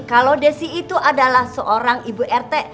kalau desi itu adalah seorang ibu rt